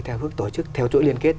theo chỗ liên kết